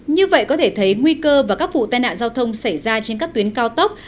như vậy có thể thấy nguy cơ và các vụ tai nạn giao thông xảy ra trên các tuyến cao tốc